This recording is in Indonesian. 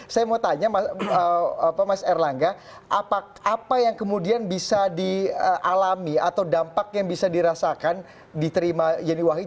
saya mau tanya mas erlangga apa yang kemudian bisa dialami atau dampak yang bisa dirasakan diterima yeni wahid